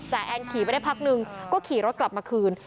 แอนขี่ไปได้พักนึงก็ขี่รถกลับมาคืน